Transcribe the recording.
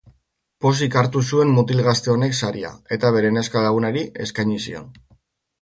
Pozik hartu zuen mutil gazte honek saria eta bere neska-lagunari eskaini zion.